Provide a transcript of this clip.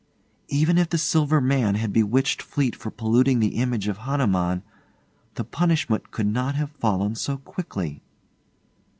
'Even if the Silver Man had bewtiched Fleete for polluting the image of Hanuman, the punishment could not have fallen so quickly.